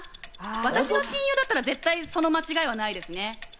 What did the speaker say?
私の親友だったら絶対その間違いはないですね。